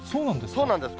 そうなんです。